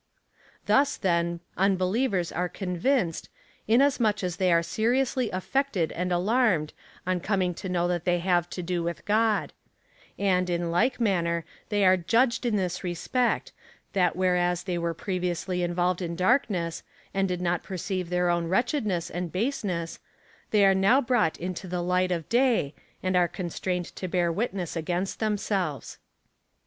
Thus, then, unbelievers are convinced, inasmuch as they are seriously affected and alarmed, on coming to know that they have to do with God ; and, in like manner, they are judged in this respect, that whereas they were previously involved in darkness, and did not perceive their own wretchedness and baseness, they are now brought into the light of day, and are constrained to bear witness against themselves.